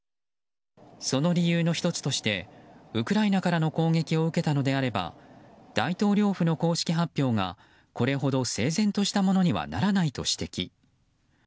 その理由の１つとしてウクライナからの攻撃を受けたのであれば大統領府の公式発表が、これほど整然としたものにならないと指摘。